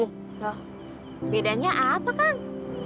lho bedanya apa kang